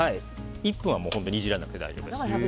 １分はいじらなくて大丈夫です。